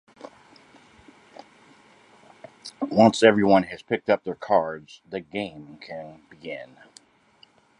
Once everyone has picked up their cards, the game can begin.